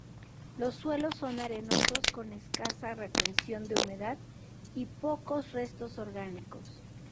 Los suelos son arenosos con escasa retención de humedad y pocos restos orgánicos.